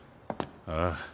ああ。